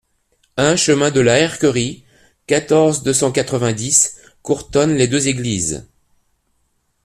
un chemin de la Herquerie, quatorze, deux cent quatre-vingt-dix, Courtonne-les-Deux-Églises